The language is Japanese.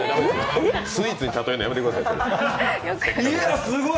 スイーツに例えるのやめてください。